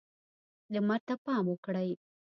لمر ته پام وکړئ.